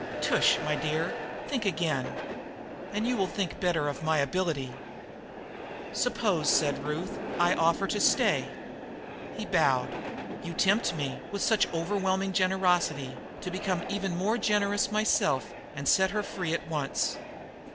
Tush, my dear; think again, and you will think better of my ability." "Suppose," Ruth said, "I were to offer to stay?" He bowed. "You tempt me, with such overwhelming generosity, to become even more generous myself and set her free at once.